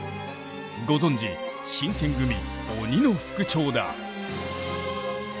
ご存じ新選組鬼の副長だ。